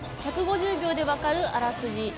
「１５０秒で分かるあらすじ」